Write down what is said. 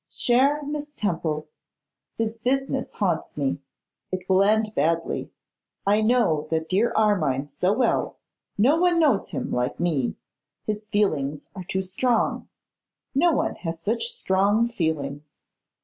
Chère Miss Temple, this business haunts me; it will end badly. I know that dear Armine so well; no one knows him like me; his feelings are too strong: no one has such strong feelings.